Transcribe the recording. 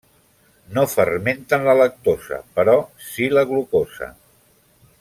No fermenten la lactosa, però sí la glucosa.